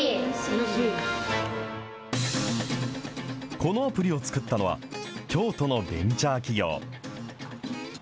このアプリを作ったのは、京都のベンチャー企業。